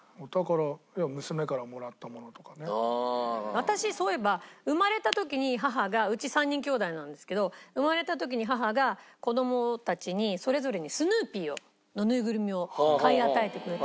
私そういえば生まれた時に母がうち３人きょうだいなんですけど生まれた時に母が子供たちにそれぞれにスヌーピーのぬいぐるみを買い与えてくれて。